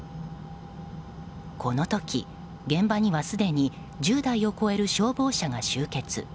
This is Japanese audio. この時、現場にはすでに１０台を超える消防車が集結。